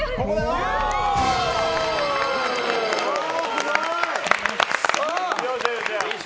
すごい！